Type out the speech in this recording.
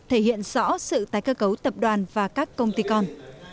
thể hiện rõ sự tái cơ cấu tập đoàn và các công ty con